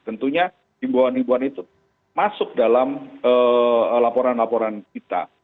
tentunya imbuan imbuan itu masuk dalam laporan laporan kita